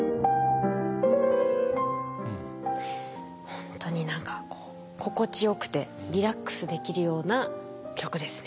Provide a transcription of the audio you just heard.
ほんとに何かこう心地よくてリラックスできるような曲ですね。